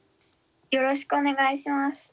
よろしくお願いします。